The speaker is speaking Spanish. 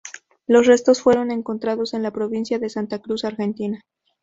Los restos fueron encontrados en la provincia de Santa Cruz, Argentina.